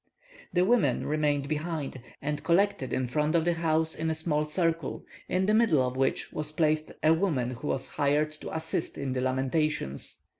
The women remained behind, and collected in front of the house in a small circle, in the middle of which was placed a woman who was hired to assist in the lamentations.